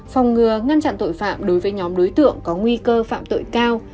phòng ngừa ngăn chặn tội phạm đối với nhóm đối tượng có nguy cơ phạm tội cao